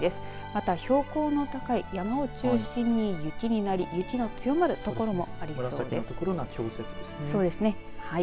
また、標高の高い山を中心に雪になり、雪の強まる所もありそうです。